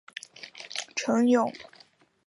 程勇是上海一间印度神油店的老板。